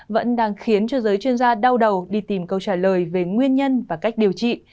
vẫn đang khiến cho giới chuyên gia đau đầu đi tìm câu trả lời về nguyên nhân và cách điều trị